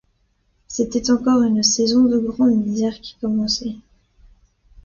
C’était encore une saison de grande misère qui commençait.